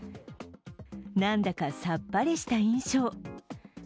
なんだか、さっぱりした印象。